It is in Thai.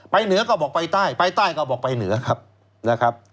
เหนือก็บอกไปใต้ไปใต้ก็บอกไปเหนือครับนะครับ